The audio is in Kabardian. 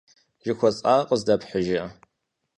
Жыхуэсӏар къыздэпхьыжа?